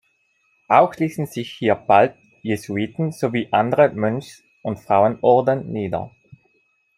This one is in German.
Auch ließen sich hier bald Jesuiten sowie andere Mönchs- und Frauenorden nieder.